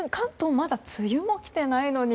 まだ梅雨も来てないのに。